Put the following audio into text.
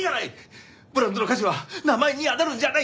ブランドの価値は名前に宿るんじゃない。